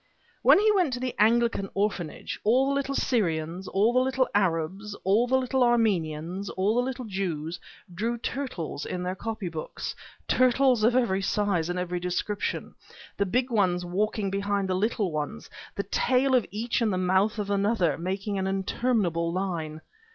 When he went to the Anglican Orphanage, all the little Syrians, all the little Arabs, all the little Armenians, all the little Jews, drew turtles in their copy books, turtles of every size and every description, the big ones walking behind the little ones, the tail of each in the mouth of another, making an interminable line.